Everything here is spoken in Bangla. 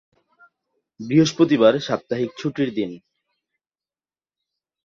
বৃহস্পতিবার সাপ্তাহিক ছুটির দিন।